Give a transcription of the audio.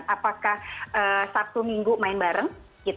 apakah sabtu minggu main bareng